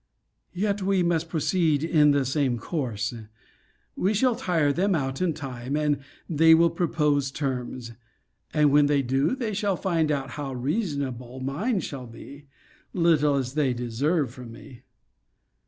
Yet we must proceed in the same course. We shall tire them out in time, and they will propose terms; and when they do, they shall find out how reasonable mine shall be, little as they deserve from me.